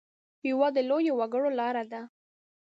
یوه د لویو وګړو لاره ده.